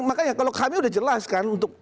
makanya kalau kami sudah jelaskan untuk